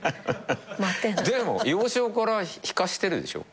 でも幼少から弾かしてるでしょ？